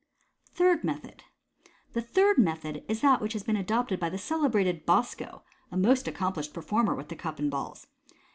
Third Method.— The third method is that which was adopted by the celebrated Bos co, a most accomplished per former with the cup and balls.